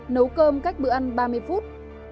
nấu cơm cách bữa ăn ba mươi phút